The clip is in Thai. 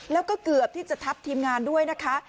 แล้วก็เกือบที่จะทับทีมงานด้วยนะคะ